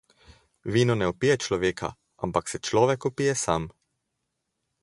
Vino ne opije človeka, ampak se človek opije sam.